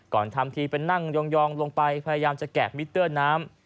ทำทีเป็นนั่งยองลงไปพยายามจะแกะมิเตอร์น้ำ